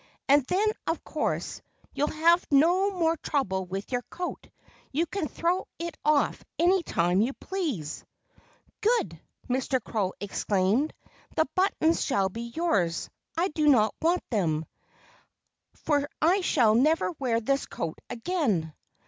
And then, of course, you'll have no more trouble with your coat. You can throw it off any time you please." "Good!" Mr. Crow exclaimed. "The buttons shall be yours. I don't want them, for I shall never wear this coat again."